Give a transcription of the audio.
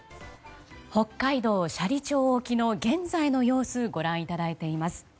北海道斜里町沖の現在の様子をご覧いただいています。